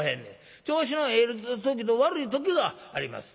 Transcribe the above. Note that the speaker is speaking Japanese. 調子のええ時と悪い時があります。